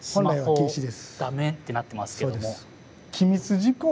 ダメってなってますけども。